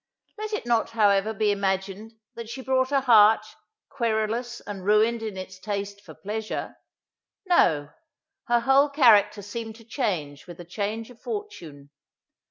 Let it not however be imagined, that she brought a heart, querulous, and ruined in its taste for pleasure. No; her whole character seemed to change with a change of fortune.